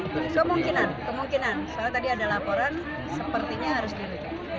kemungkinan kemungkinan soalnya tadi ada laporan sepertinya harus dilihat